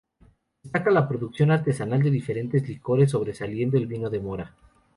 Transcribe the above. Destaca la producción artesanal de diferentes licores, sobresaliendo el vino de mora.